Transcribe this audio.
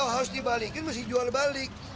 harus dibalikin mesti jual balik